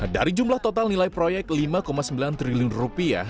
dari jumlah total nilai proyek lima sembilan triliun rupiah